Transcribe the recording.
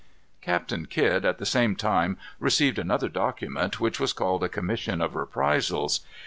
Captain Kidd at the same time received another document, which was called a commission of reprisals.